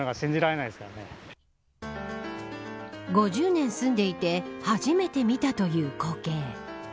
５０年住んでいて初めて見たという光景。